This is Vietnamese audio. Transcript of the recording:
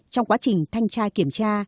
trong quá trình thanh tra kiểm tra